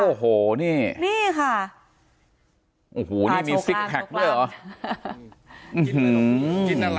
โอ้โหนี่นี่ค่ะโอ้โหนี่มีซิกแพคด้วยเหรอกินอะไร